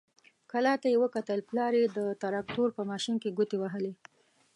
کلا ته يې وکتل، پلار يې د تراکتور په ماشين کې ګوتې وهلې.